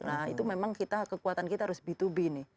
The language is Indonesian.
nah itu memang kita kekuatan kita harus b dua b nih